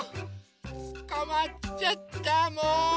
つかまっちゃったもう！